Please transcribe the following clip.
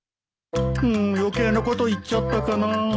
うん余計なこと言っちゃったかなぁ